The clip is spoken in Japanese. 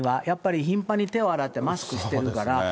やっぱり頻繁に手を洗って、マスクしてるから。